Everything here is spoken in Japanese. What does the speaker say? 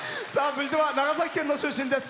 続いては長崎県の出身です。